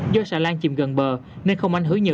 do xà lan chìm gần bờ nên không ảnh hưởng nhiều